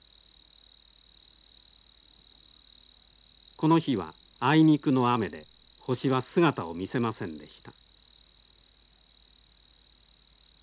この日はあいにくの雨で星は姿を見せませんでした。